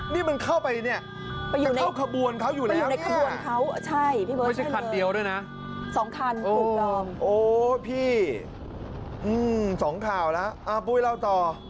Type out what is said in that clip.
นี่มันเข้าไปนี่แต่เข้าขบวนเขาอยู่แล้วนี่ไม่ใช่คันเดียวด้วยนะโอ้พี่สองข่าวแล้วอ้าวปุ๊ยเล่าต่อ